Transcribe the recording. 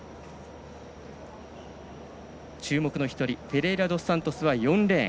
注目の１人フェレイラドスサントスは４レーン。